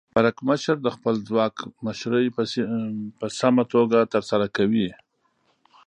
پرکمشر د خپل ځواک مشري په سمه توګه ترسره کوي.